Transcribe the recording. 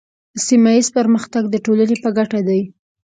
سیمه ایز پرمختګ د ټولنې په ګټه دی.